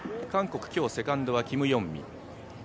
韓国、今日セカンドはキム・ヨンミ。